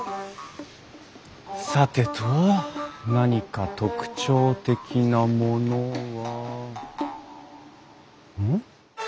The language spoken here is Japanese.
さてと何か特徴的なものはうん？